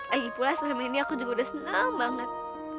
lagipula selama ini aku juga udah senang banget